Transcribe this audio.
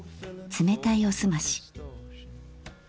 冷たいおすまし。